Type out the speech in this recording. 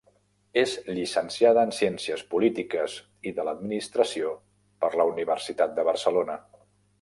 És llicenciada en Ciències Polítiques i de l’Administració per la Universitat de Barcelona.